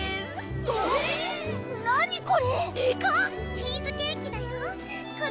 チーズケーキだよっ。